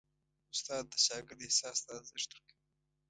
استاد د شاګرد احساس ته ارزښت ورکوي.